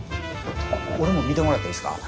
俺も見てもらってええすか？